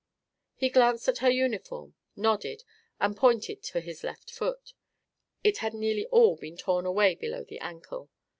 He glanced at her uniform, nodded, and pointed to his left foot. It had nearly all been torn away below the ankle.